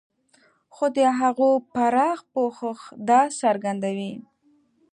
خو د هغو پراخ پوښښ دا څرګندوي.